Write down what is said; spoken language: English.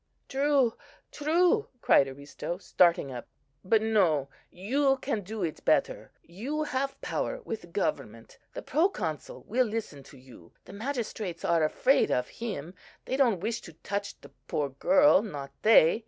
"True, true," cried Aristo, starting up, "but, no, you can do it better; you have power with the government. The Proconsul will listen to you. The magistrates here are afraid of him; they don't wish to touch the poor girl, not they.